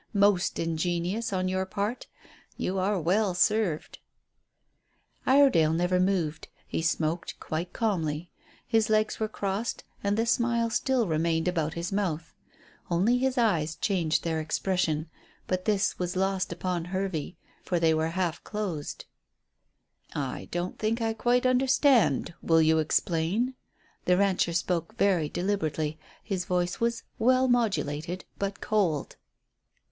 Most ingenious on your part. You are well served." Iredale never moved. He smoked quite calmly. His legs were crossed and the smile still remained about his mouth. Only his eyes changed their expression, but this was lost upon Hervey, for they were half closed. "I don't think I quite understand. Will you explain?" The rancher spoke very deliberately, his voice was well modulated but cold.